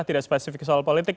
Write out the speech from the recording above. tidak spesifik soal politik